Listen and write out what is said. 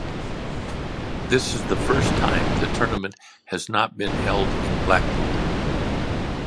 This is the first time the tournament has not been held in Blackpool.